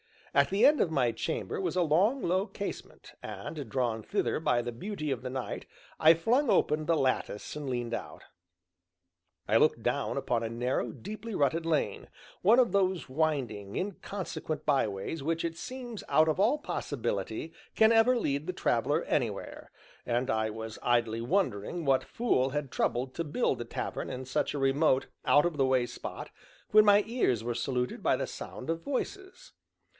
At the end of my chamber was a long, low casement, and, drawn thither by the beauty of the night, I flung open the lattice and leaned out. I looked down upon a narrow, deeply rutted lane, one of those winding, inconsequent byways which it seems out of all possibility can ever lead the traveler anywhere, and I was idly wondering what fool had troubled to build a tavern in such a remote, out of the way spot, when my ears were saluted by the sound of voices.